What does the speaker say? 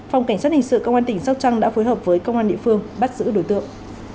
phòng cảnh sát hình sự công an tỉnh sóc trăng đã phối hợp với công an địa phương bắt giữ đối tượng